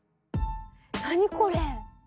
何これ？